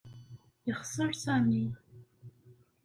Yexṣer Sami.